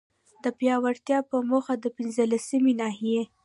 د پياوړتيا په موخه، د پنځلسمي ناحيي